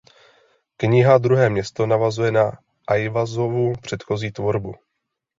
Kniha "Druhé město" navazuje na Ajvazovu předchozí tvorbu.